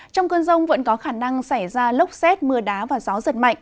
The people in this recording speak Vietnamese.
trong cơn rông vẫn có khả năng xảy ra lốc xét mưa đá và gió giật mạnh